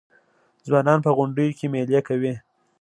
ځوانان په غونډیو کې میلې کوي.